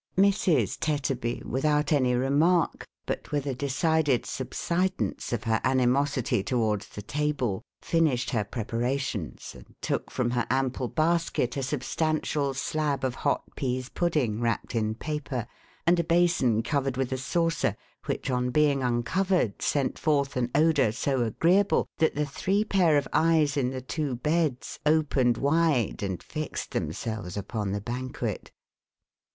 Mrs. Tetterby, without any remark, but with a decided subsidence of her animosity towards the table, finished her preparations, and took, from her ample basket, a substantial slab of hot pease pudding wrapped in paper, and a basin covered with a saucer, which, on being uncovered, sent forth an odour so agreeable, that the three pair of eyes in the two beds opened wide and fixed themselves upon the banquet.